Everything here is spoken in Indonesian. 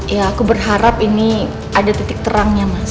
ya aku berharap ini ada titik terangnya mas